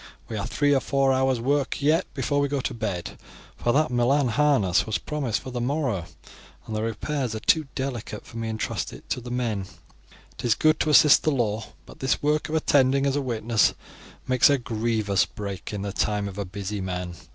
We have three or four hours' work yet before we go to bed, for that Milan harness was promised for the morrow, and the repairs are too delicate for me to entrust it to the men. It is good to assist the law, but this work of attending as a witness makes a grievous break in the time of a busy man.